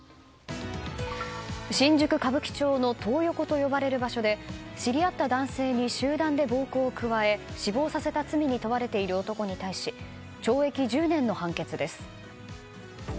新宿・歌舞伎町のトー横と呼ばれる場所で知り合った男性に集団で暴行を加え死亡させた罪に問われている男に対し懲役１０年の判決です。